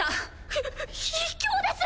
ひ卑怯です。